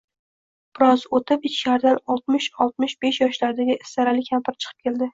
Biroz oʻtib, ichkaridan oltmish-oltmish besh yoshlardagi istarali kampir chiqib keldi